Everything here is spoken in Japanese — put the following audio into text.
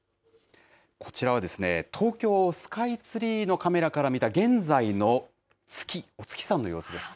こちらは、東京スカイツリーのカメラから見た、現在の月、お月さまの様子です。